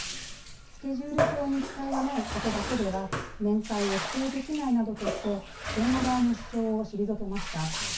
スケジュール表に記載がないことだけでは面会を否定できないなどとして弁護側の主張を退けました。